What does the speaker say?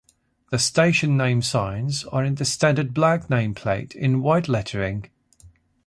The station name signs are in the standard black name plate in white lettering.